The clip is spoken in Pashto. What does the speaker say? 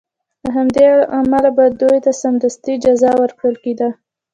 له همدې امله به دوی ته سمدستي جزا ورکول کېدله.